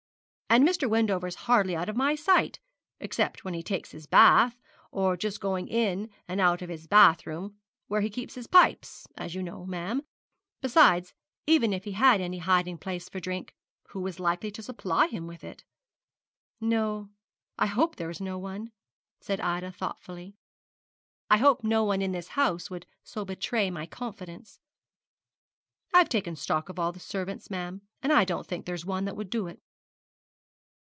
And Mr. Wendover's hardly out of my sight, except when he takes his bath, or just going in and out of his bath room, where he keeps his pipes, as you know, ma'am. Besides, even if he had any hiding place for the drink, who is likely to supply him with it?' 'No; I hope there is no one,' said Ida, thoughtfully. 'I hope no one in this house would so betray my confidence.' 'I've taken stock of all the servants, ma'am, and I don't think there's one that would do it.'